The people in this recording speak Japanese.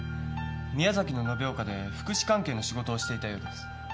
宮崎の延岡で福祉関係の仕事をしていたようです。